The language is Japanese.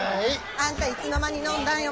あんたいつの間に飲んだんよ